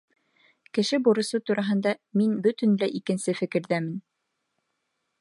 Кеше бурысы тураһында мин бөтөнләй икенсе фекерҙәмен.